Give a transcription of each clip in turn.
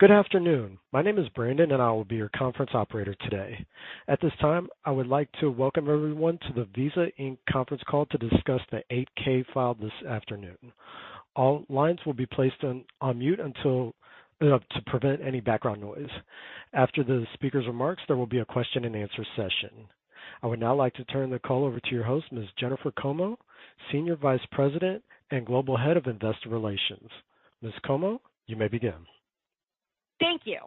Good afternoon. My name is Brandon, and I will be your conference operator today. At this time, I would like to welcome everyone to the Visa Inc. conference call to discuss the 8-K filed this afternoon. All lines will be placed on mute until, to prevent any background noise. After the speaker's remarks, there will be a question-and-answer session. I would now like to turn the call over to your host, Ms. Jennifer Como, Senior Vice President and Global Head of Investor Relations. Ms. Como, you may begin. Thank you.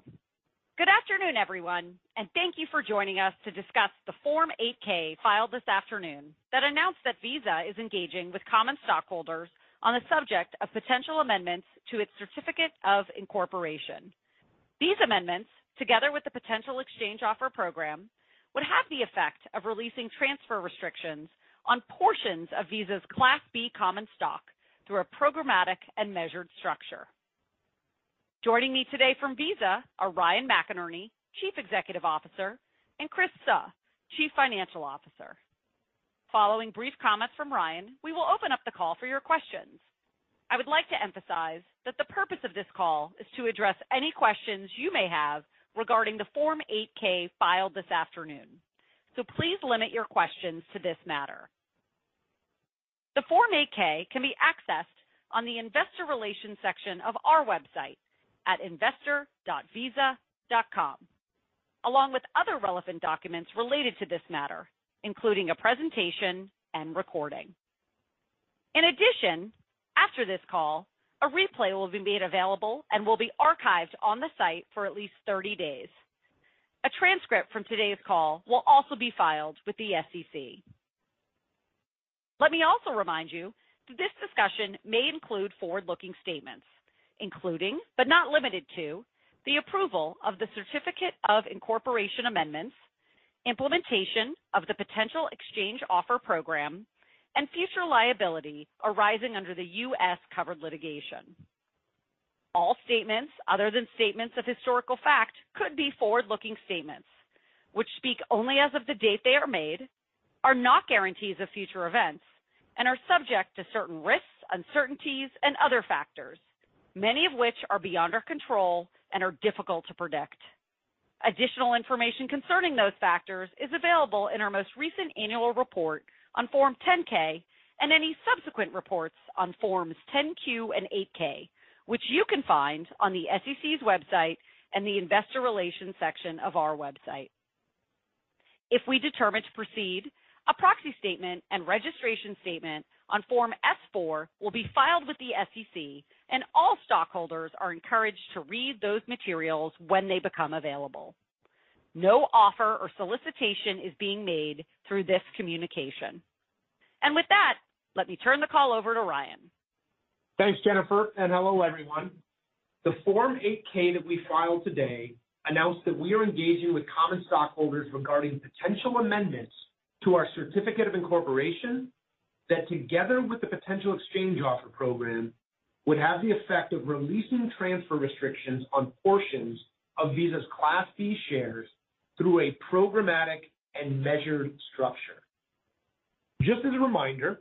Good afternoon, everyone, and thank you for joining us to discuss the Form 8-K filed this afternoon that announced that Visa is engaging with common stockholders on the subject of potential amendments to its Certificate of Incorporation. These amendments, together with the potential exchange offer program, would have the effect of releasing transfer restrictions on portions of Visa's Class B common stock through a programmatic and measured structure. Joining me today from Visa are Ryan McInerney, Chief Executive Officer, and Chris Suh, Chief Financial Officer. Following brief comments from Ryan, we will open up the call for your questions. I would like to emphasize that the purpose of this call is to address any questions you may have regarding the Form 8-K filed this afternoon. So please limit your questions to this matter. The Form 8-K can be accessed on the investor relations section of our website at investor.visa.com, along with other relevant documents related to this matter, including a presentation and recording. In addition, after this call, a replay will be made available and will be archived on the site for at least 30 days. A transcript from today's call will also be filed with the SEC. Let me also remind you that this discussion may include forward-looking statements, including, but not limited to, the approval of the Certificate of Incorporation amendments, implementation of the potential exchange offer program, and future liability arising under the U.S. covered litigation. All statements other than statements of historical fact could be forward-looking statements, which speak only as of the date they are made, are not guarantees of future events, and are subject to certain risks, uncertainties, and other factors, many of which are beyond our control and are difficult to predict. Additional information concerning those factors is available in our most recent annual report on Form 10-K and any subsequent reports on Forms 10-Q and 8-K, which you can find on the SEC's website and the investor relations section of our website. If we determine to proceed, a proxy statement and registration statement on Form S-4 will be filed with the SEC, and all stockholders are encouraged to read those materials when they become available. No offer or solicitation is being made through this communication. With that, let me turn the call over to Ryan. Thanks, Jennifer, and hello, everyone. The Form 8-K that we filed today announced that we are engaging with common stockholders regarding potential amendments to our Certificate of Incorporation, that together with the potential exchange offer program, would have the effect of releasing transfer restrictions on portions of Visa's Class B shares through a programmatic and measured structure. Just as a reminder,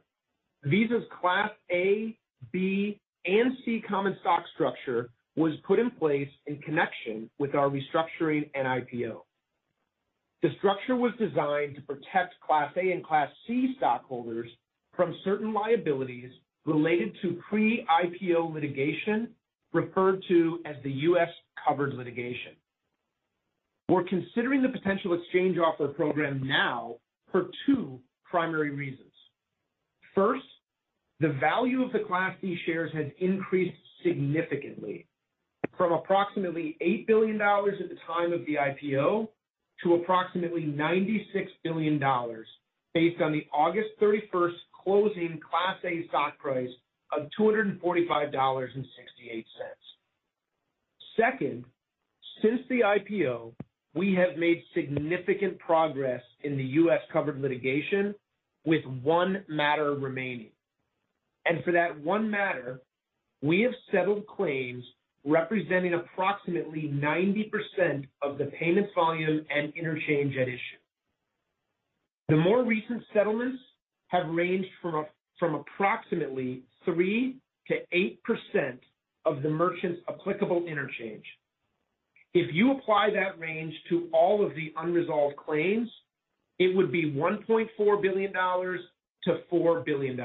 Visa's Class A, B, and C common stock structure was put in place in connection with our restructuring and IPO. The structure was designed to protect Class A and Class C stockholders from certain liabilities related to pre-IPO litigation, referred to as the U.S. covered litigation. We're considering the potential exchange offer program now for two primary reasons. First, the value of the Class B shares has increased significantly from approximately $8 billion at the time of the IPO to approximately $96 billion, based on the August 31 closing Class A stock price of $245.68. Second, since the IPO, we have made significant progress in the U.S. covered litigation with one matter remaining. For that one matter, we have settled claims representing approximately 90% of the payments, volume, and interchange at issue. The more recent settlements have ranged from approximately 3%-8% of the merchant's applicable interchange. If you apply that range to all of the unresolved claims, it would be $1.4 billion-$4 billion.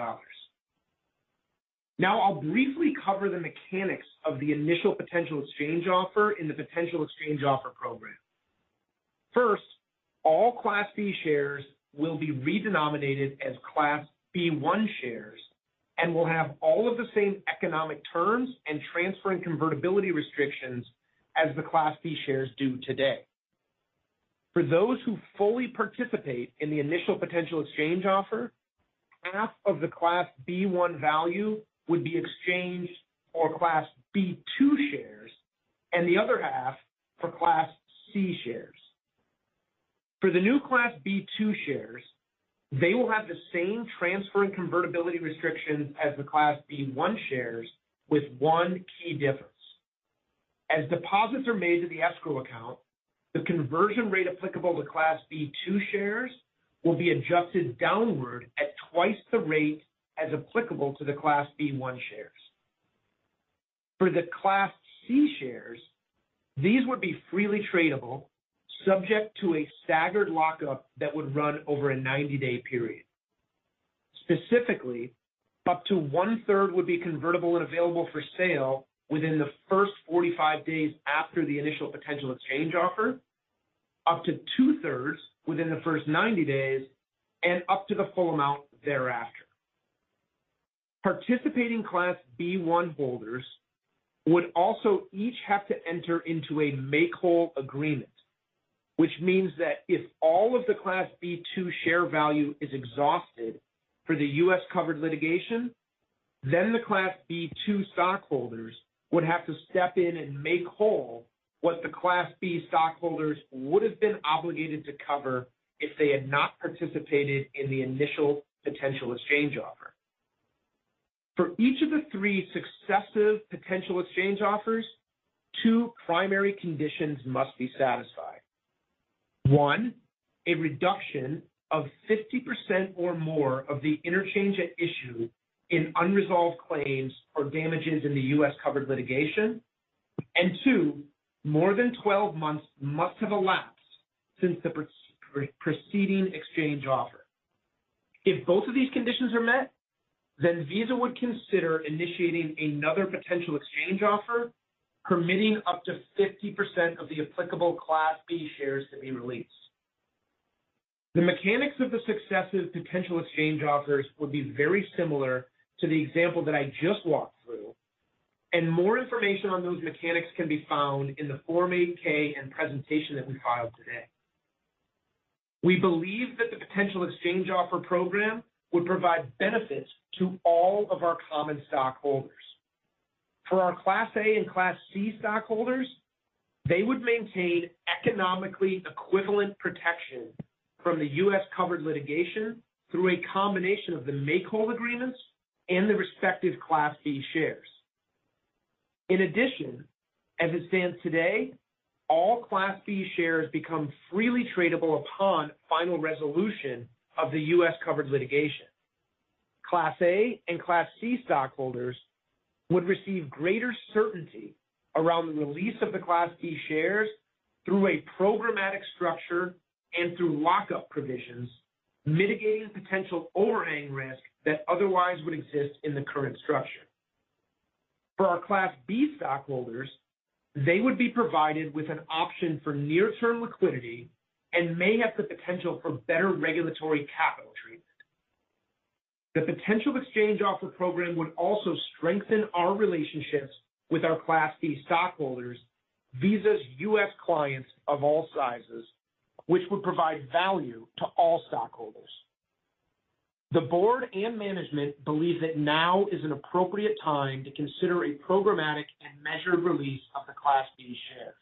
Now, I'll briefly cover the mechanics of the initial potential exchange offer in the potential exchange offer program. First, all Class B shares will be redenominated as Class B-1 shares and will have all of the same economic terms and transfer and convertibility restrictions as the Class B shares do today. For those who fully participate in the initial potential exchange offer, half of the Class B-1 value would be exchanged for Class B-2 shares and the other half for Class C shares. For the new Class B-2 shares, they will have the same transfer and convertibility restrictions as the Class B-1 shares, with one key difference. As deposits are made to the escrow account, the conversion rate applicable to Class B-2 shares will be adjusted downward at twice the rate as applicable to the Class B-1 shares. For the Class C shares, these would be freely tradable, subject to a staggered lockup that would run over a 90-day period. Specifically, up to one-third would be convertible and available for sale within the first 45 days after the initial potential exchange offer, up to two-thirds within the first 90 days, and up to the full amount thereafter. Participating Class B-1 holders would also each have to enter into a make-whole agreement, which means that if all of the Class B-2 share value is exhausted for the U.S. covered litigation, then the Class B-2 stockholders would have to step in and make whole what the Class B stockholders would have been obligated to cover if they had not participated in the initial potential exchange offer. For each of the three successive potential exchange offers, two primary conditions must be satisfied. One, a reduction of 50% or more of the interchange at issue in unresolved claims or damages in the U.S. covered litigation. And two, more than 12 months must have elapsed since the preceding exchange offer. If both of these conditions are met, then Visa would consider initiating another potential exchange offer, permitting up to 50% of the applicable Class B shares to be released. The mechanics of the successive potential exchange offers would be very similar to the example that I just walked through, and more information on those mechanics can be found in the Form 8-K and presentation that we filed today. We believe that the potential exchange offer program would provide benefits to all of our common stockholders. For our Class A and Class C stockholders, they would maintain economically equivalent protection from the U.S. covered litigation through a combination of the make-whole agreements and the respective Class B shares. In addition, as it stands today, all Class B shares become freely tradable upon final resolution of the U.S. covered litigation. Class A and Class C stockholders would receive greater certainty around the release of the Class B shares through a programmatic structure and through lockup provisions, mitigating potential overhang risk that otherwise would exist in the current structure. For our Class B stockholders, they would be provided with an option for near-term liquidity and may have the potential for better regulatory capital treatment. The potential exchange offer program would also strengthen our relationships with our Class B stockholders, Visa's U.S. clients of all sizes, which would provide value to all stockholders. The board and management believe that now is an appropriate time to consider a programmatic and measured release of the Class B shares.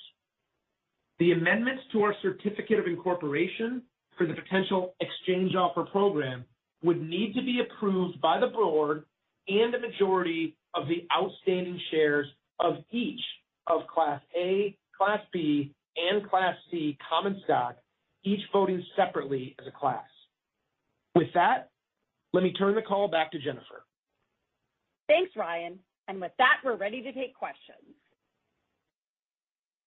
The amendments to our Certificate of Incorporation for the potential exchange offer program would need to be approved by the board and a majority of the outstanding shares of each of Class A, Class B, and Class C common stock, each voting separately as a class. With that, let me turn the call back to Jennifer. Thanks, Ryan. With that, we're ready to take questions.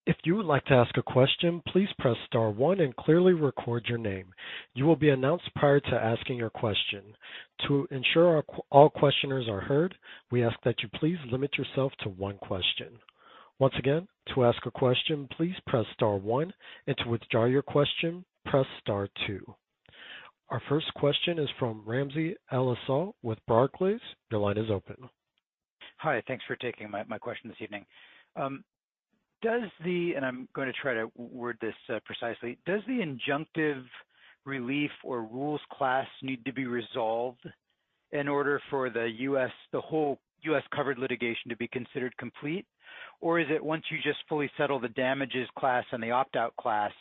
If you would like to ask a question, please press star one and clearly record your name. You will be announced prior to asking your question. To ensure all questioners are heard, we ask that you please limit yourself to one question. Once again, to ask a question, please press star one, and to withdraw your question, press star two. Our first question is from Ramsey El-Assal with Barclays. Your line is open. Hi, thanks for taking my question this evening. Does the injunctive relief class need to be resolved in order for the U.S., the whole U.S. covered litigation to be considered complete? Or is it once you just fully settle the damages class and the opt-out class,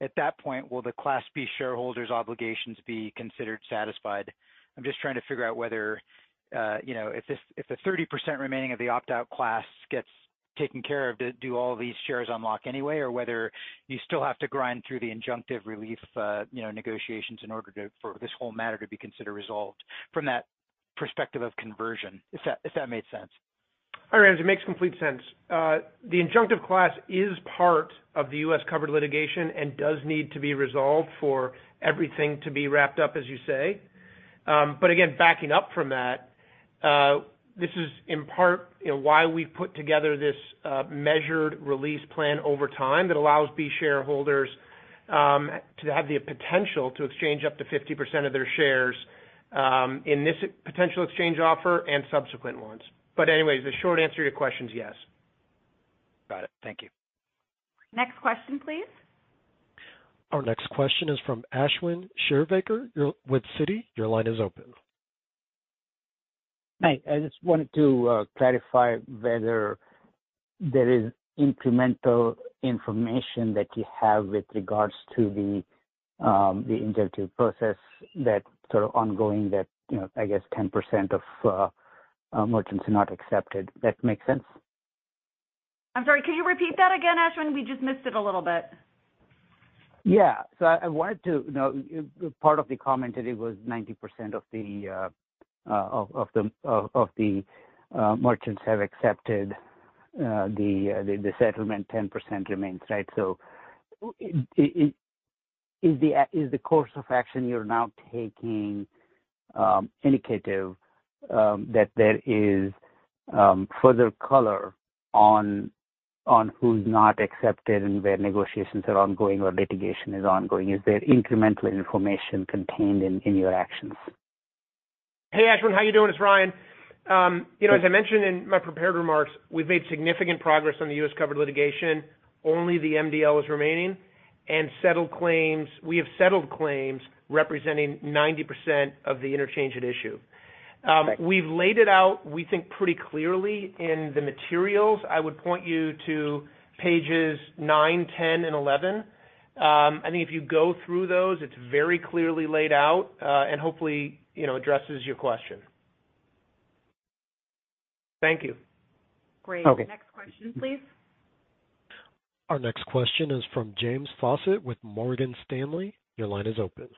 at that point, will the Class B shareholders' obligations be considered satisfied? I'm just trying to figure out whether, you know, if this, if the 30% remaining of the opt-out class gets taken care of, do all these shares unlock anyway? Or whether you still have to grind through the injunctive relief, you know, negotiations in order to, for this whole matter to be considered resolved from that perspective of conversion, if that made sense. Hi, Ramsey, it makes complete sense. The injunctive class is part of the U.S. covered litigation and does need to be resolved for everything to be wrapped up, as you say. But again, backing up from that, this is in part, you know, why we put together this measured release plan over time that allows B shareholders to have the potential to exchange up to 50% of their shares in this potential exchange offer and subsequent ones. But anyway, the short answer to your question is yes. Got it. Thank you. Next question, please. Our next question is from Ashwin Shirvaikar with Citi. Your line is open. Hi, I just wanted to clarify whether there is incremental information that you have with regards to the interpretive process that sort of ongoing that, you know, I guess 10% of,... merchants have not accepted. That makes sense? I'm sorry, could you repeat that again, Ashwin? We just missed it a little bit. Yeah. So I wanted to know, part of the comment today was 90% of the merchants have accepted the settlement. 10% remains, right? So is the course of action you're now taking indicative that there is further color on who's not accepted and where negotiations are ongoing or litigation is ongoing? Is there incremental information contained in your actions? Hey, Ashwin, how you doing? It's Ryan. You know, as I mentioned in my prepared remarks, we've made significant progress on the U.S. covered litigation. Only the MDL is remaining, and settled claims, we have settled claims representing 90% of the interchange at issue. Okay. We've laid it out, we think, pretty clearly in the materials. I would point you to pages 9, 10, and 11. I think if you go through those, it's very clearly laid out, and hopefully, you know, addresses your question. Thank you. Great. Okay. Next question, please. Our next question is from James Faucette with Morgan Stanley. Your line is open.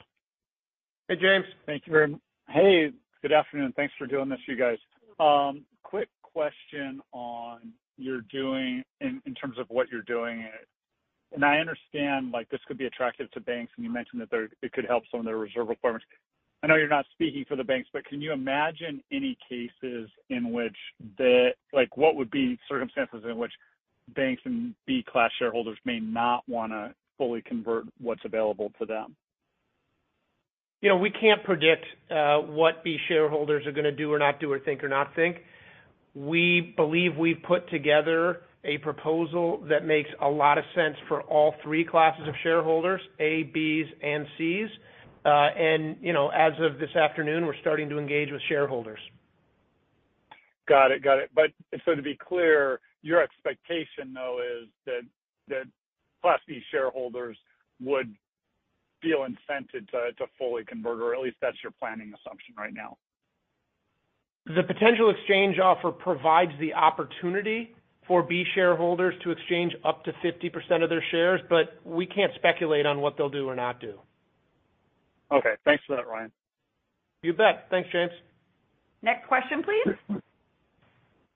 Hey, James. Thank you very much. Hey, good afternoon. Thanks for doing this, you guys. Quick question on what you're doing, in terms of what you're doing. And I understand, like, this could be attractive to banks, and you mentioned that there, it could help some of their reserve requirements. I know you're not speaking for the banks, but can you imagine any cases in which the, like, what would be circumstances in which banks and Class B shareholders may not wanna fully convert what's available to them? You know, we can't predict what B shareholders are gonna do or not do, or think or not think. We believe we've put together a proposal that makes a lot of sense for all three classes of shareholders, As, Bs, and Cs. You know, as of this afternoon, we're starting to engage with shareholders. Got it. Got it. To be clear, your expectation, though, is that Class B shareholders would feel incented to fully convert, or at least that's your planning assumption right now? The potential exchange offer provides the opportunity for B shareholders to exchange up to 50% of their shares, but we can't speculate on what they'll do or not do. Okay. Thanks for that, Ryan. You bet. Thanks, James. Next question, please.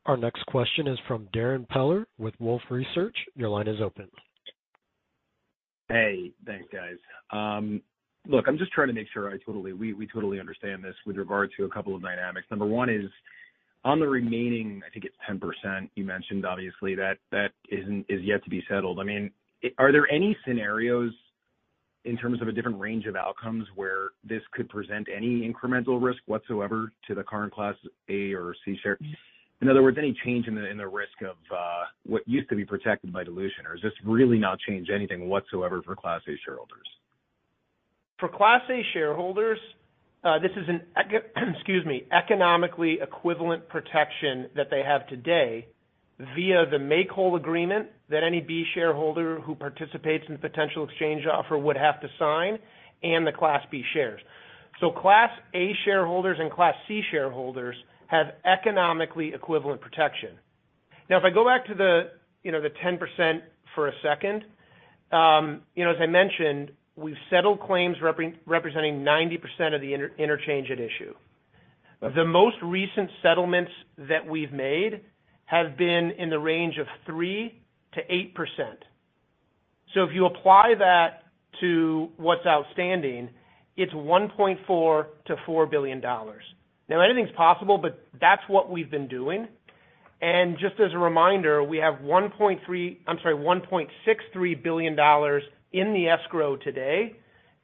Our next question is from Darrin Peller with Wolfe Research. Your line is open. Hey, thanks, guys. Look, I'm just trying to make sure I totally—we, we totally understand this with regard to a couple of dynamics. Number one is, on the remaining, I think it's 10%, you mentioned obviously, that isn't—is yet to be settled. I mean, are there any scenarios in terms of a different range of outcomes where this could present any incremental risk whatsoever to the current Class A or C share? In other words, any change in the, in the risk of, what used to be protected by dilution, or does this really not change anything whatsoever for Class A shareholders? For Class A shareholders, excuse me, economically equivalent protection that they have today via the make-whole agreement, that any B shareholder who participates in the potential exchange offer would have to sign and the Class B shares. So Class A shareholders and Class C shareholders have economically equivalent protection. Now, if I go back to the, you know, the 10% for a second. You know, as I mentioned, we've settled claims representing 90% of the interchange at issue. The most recent settlements that we've made have been in the range of 3%-8%. So if you apply that to what's outstanding, it's $1.4 billion-$4 billion. Now anything's possible, but that's what we've been doing. Just as a reminder, we have $1.63 billion in the escrow today.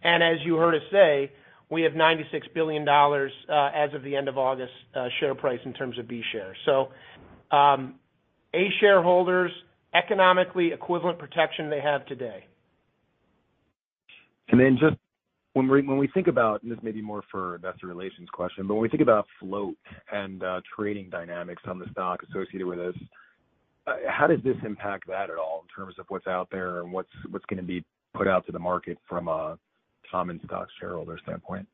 As you heard us say, we have $96 billion as of the end of August, share price in terms of B shares. A shareholders, economically equivalent protection they have today. And then just when we think about, and this may be more for investor relations question, but when we think about float and trading dynamics on the stock associated with this, how does this impact that at all in terms of what's out there and what's gonna be put out to the market from a common stock shareholder standpoint?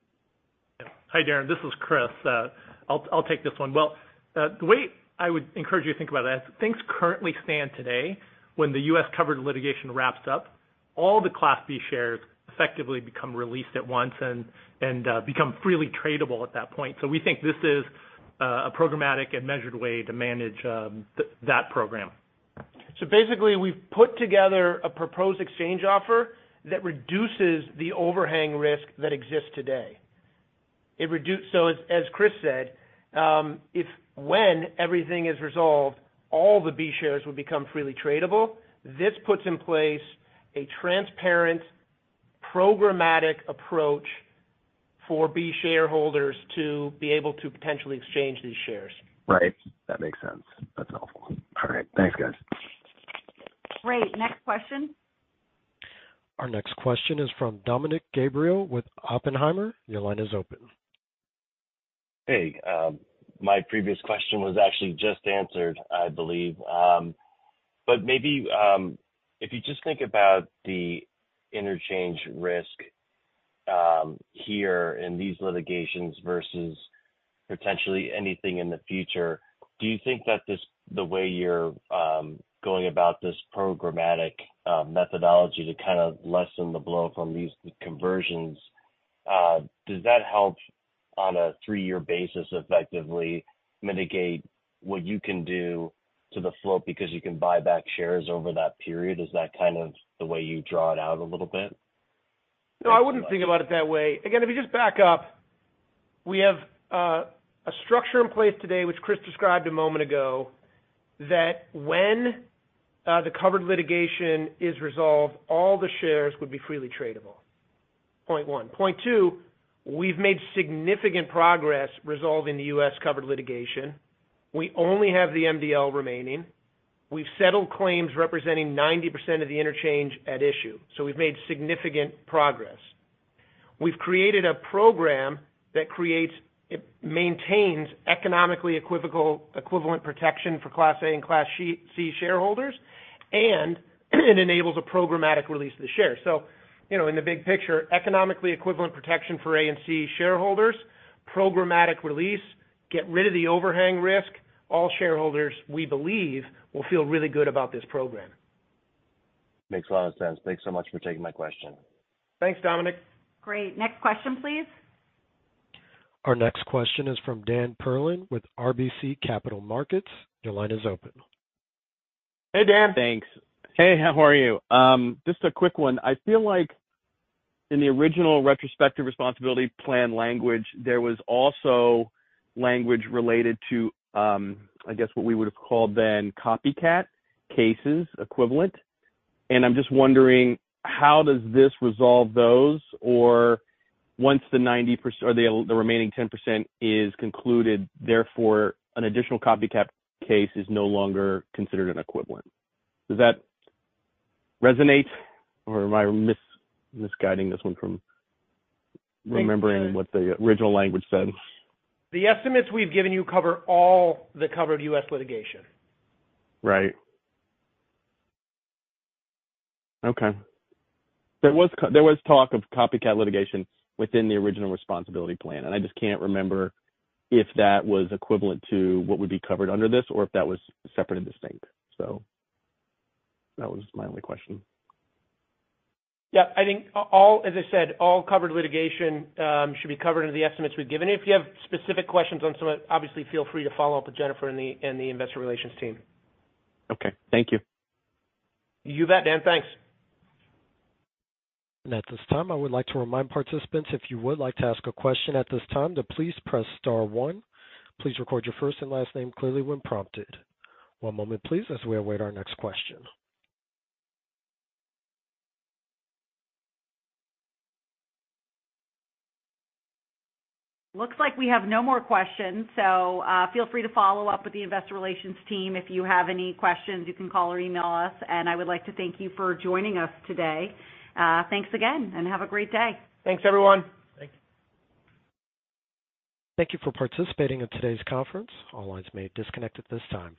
Hi, Darren, this is Chris. I'll take this one. Well, the way I would encourage you to think about that, as things currently stand today, when the U.S. covered litigation wraps up, all the Class B shares effectively become released at once and become freely tradable at that point. So we think this is a programmatic and measured way to manage that program. So basically, we've put together a proposed exchange offer that reduces the overhang risk that exists today. It so as, as Chris said, if when everything is resolved, all the B shares will become freely tradable. This puts in place a transparent, programmatic approach for B shareholders to be able to potentially exchange these shares. Right. That makes sense. That's helpful. All right. Thanks, guys. Great. Next question. Our next question is from Dominick Gabriele with Oppenheimer. Your line is open. Hey, my previous question was actually just answered, I believe. But maybe, if you just think about the interchange risk-... here in these litigations versus potentially anything in the future, do you think that this, the way you're going about this programmatic methodology to kind of lessen the blow from these conversions, does that help on a three-year basis, effectively mitigate what you can do to the float because you can buy back shares over that period? Is that kind of the way you draw it out a little bit? No, I wouldn't think about it that way. Again, if you just back up, we have a structure in place today, which Chris described a moment ago, that when the covered litigation is resolved, all the shares would be freely tradable, point one. Point two, we've made significant progress resolving the U.S. covered litigation. We only have the MDL remaining. We've settled claims representing 90% of the interchange at issue, so we've made significant progress. We've created a program that creates, it maintains economically equivalent protection for Class A and Class C shareholders, and it enables a programmatic release of the shares. So, you know, in the big picture, economically equivalent protection for A and C shareholders, programmatic release, get rid of the overhang risk. All shareholders, we believe, will feel really good about this program. Makes a lot of sense. Thanks so much for taking my question. Thanks, Dominic. Great. Next question, please. Our next question is from Dan Perlin with RBC Capital Markets. Your line is open. Hey, Dan. Thanks. Hey, how are you? Just a quick one. I feel like in the original retrospective responsibility plan language, there was also language related to, I guess, what we would have called then copycat cases equivalent. And I'm just wondering, how does this resolve those? Or once the 90% or the remaining 10% is concluded, therefore an additional copycat case is no longer considered an equivalent. Does that resonate, or am I misguiding this one from remembering what the original language said? The estimates we've given you cover all the covered U.S. litigation. Right. Okay. There was talk of copycat litigation within the original responsibility plan, and I just can't remember if that was equivalent to what would be covered under this or if that was separate and distinct. So that was my only question. Yeah, I think all, as I said, all covered litigation should be covered under the estimates we've given you. If you have specific questions on some of it, obviously, feel free to follow up with Jennifer and the investor relations team. Okay, thank you. You bet, Dan. Thanks. At this time, I would like to remind participants, if you would like to ask a question at this time, to please press star one. Please record your first and last name clearly when prompted. One moment please, as we await our next question. Looks like we have no more questions, so, feel free to follow up with the investor relations team. If you have any questions, you can call or email us, and I would like to thank you for joining us today. Thanks again and have a great day. Thanks, everyone. Thanks. Thank you for participating in today's conference. All lines may disconnect at this time.